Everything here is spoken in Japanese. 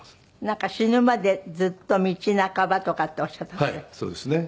なんか死ぬまでずっと道半ばとかっておっしゃったってね。